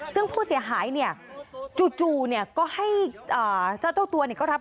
ซึ่งผู้เสียหายจู่จะธัวร์ตัวเนี่ย